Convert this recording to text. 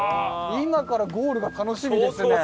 今からゴールが楽しみですね。